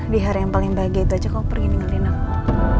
di hari yang paling bahagia itu aja kok aku pergi ningelin aku